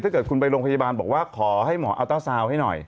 ถ้าเกิดคุณไปโรงพยาบาลบอกว่าขอให้หมออัลเตอร์ซาวน์ให้หน่อย